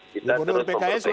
kita terus memperbaiki diri